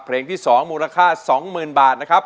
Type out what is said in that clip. เพลงที่๒มูลค่า๒๐๐๐บาทนะครับ